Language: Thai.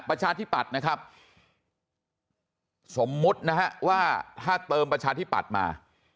ประชาธิปัตย์นะครับสมมุตินะฮะว่าถ้าเติมประชาธิปัตย์มา